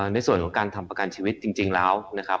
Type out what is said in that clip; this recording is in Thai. ในส่วนของการทำประกันชีวิตจริงแล้วนะครับ